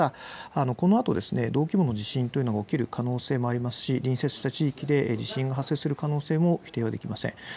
このあと同規模の地震が起きる可能性もありますし、隣接した地域で地震が発生する可能性も否定はできません。